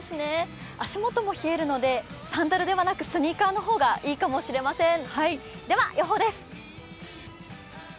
足元も冷えるのでサンダルではなくスニーカーの方がいいかもしれません。